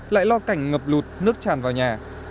lại lo cảnh ngập lụt nước chàn vào nhà